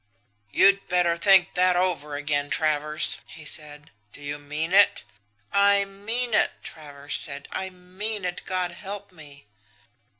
"'You'd better think that over again, Travers!' he said. 'Do you mean it?' "'I mean it,' Travers said. 'I mean it God help me!'